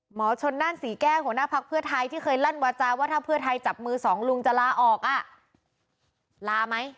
หมอชนนั่นศรีแก้หัวหน้าภักดิ์เพื่อไทยที่เคยลั่นวาจาว่าถ้าเพื่อไทยจับมือสองลุงจะลาออกลาไหม